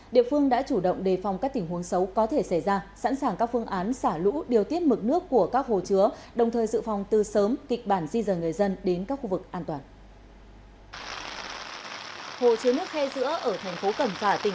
địa phương đã chủ động đề phòng các tình huống xấu có thể xảy ra sẵn sàng các phương án xả lũ điều tiết mực nước của các hồ chứa đồng thời dự phòng từ sớm kịch bản di dời người dân đến các khu vực an toàn